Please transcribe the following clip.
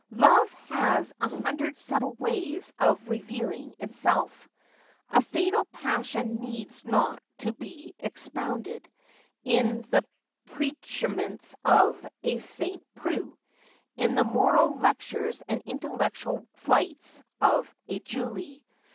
Love has a hundred subtle ways of reveaUng itself. A fatal passion needs not to be expounded in the preach ments of a St. Preux, in the moral lectures and intellectual flights of a Julie.